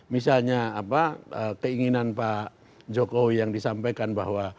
misalnya keinginan pak jokowi yang disampaikan bahwa